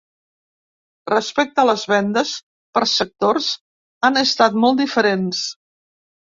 Respecte a les vendes per sectors, han estat molt diferents.